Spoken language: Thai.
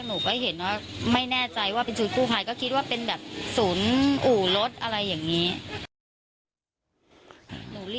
หนูก็โต๊ะใจเหมือนกันคนที่ใส่กางเกงเสื้อเขียว